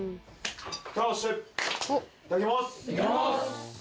いただきます！